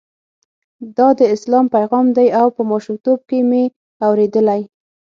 دا د اسلام پیغام دی او په ماشومتوب کې مې اورېدلی.